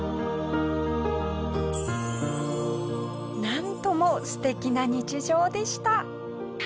なんとも素敵な日常でした。